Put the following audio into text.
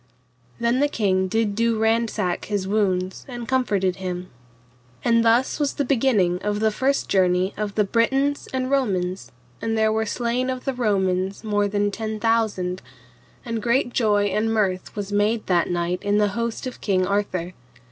Then the king did do ransack his wounds and comforted him. And thus was the beginning of the first journey of the Britons and Romans, and there were slain of the Romans more than ten thousand, and great joy and mirth was made that night in the host of King Arthur.